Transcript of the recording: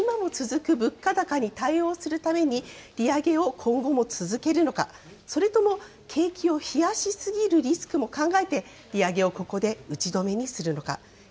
今も続く物価高に対応するために、利上げを今後も続けるのか、それとも景気を冷やしすぎるリスクも考えて、利上げをここで打ち止めにするのか。